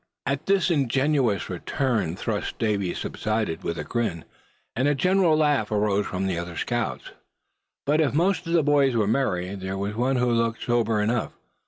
At this ingenious return thrust Davy subsided, with a grin, and a general laugh arose from the other scouts. But if most of the boys were merry, there was one who looked sober enough.